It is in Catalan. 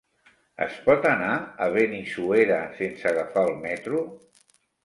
Es pot anar a Benissuera sense agafar el metro?